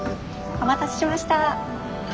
お待たせしました。